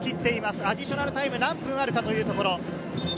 アディショナルタイム、何分あるかというところ。